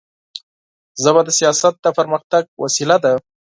ژبه د سیاست د پرمختګ وسیله ده